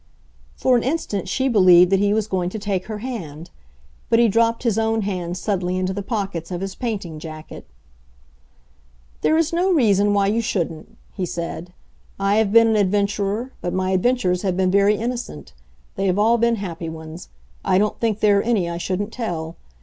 For an instant she believed that he was going to take her hand; but he dropped his own hands suddenly into the pockets of his painting jacket. "There is no reason why you shouldn't," he said. "I have been an adventurer, but my adventures have been very innocent. They have all been happy ones; I don't think there are any I shouldn't tell.